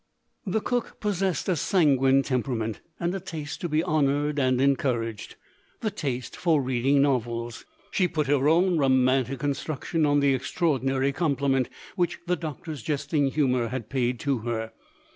The cook possessed a sanguine temperament, and a taste to be honoured and encouraged the taste for reading novels. She put her own romantic construction on the extraordinary compliment which the doctor's jesting humour had paid to her.